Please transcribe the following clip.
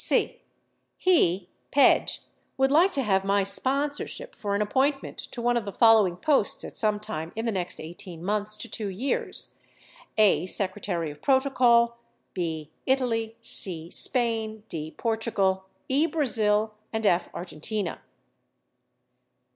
(c) He [Pedge] would like to have my "sponsorship" for an appointment to one of the following posts at some time in the next 18 months to 2 years: (a) Secretary of Protocol; (5) Italy; ( c ) Spain; (d) Portugal; (e) Brazil; and (/) Argentina.